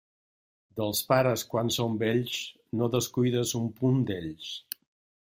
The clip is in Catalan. Dels pares quan són vells, no descuides un punt d'ells.